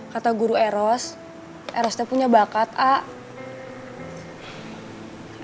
kata guru eros eroste punya bakat ah